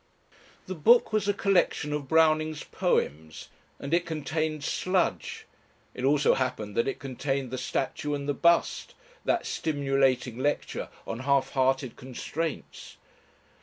The book was a collection of Browning's Poems, and it contained "Sludge"; it also happened that it contained "The Statue and the Bust" that stimulating lecture on half hearted constraints.